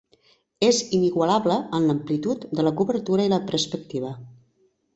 És inigualable en l'amplitud de la cobertura i la perspectiva.